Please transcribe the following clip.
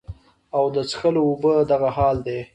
او د څښلو اوبو دغه حال دے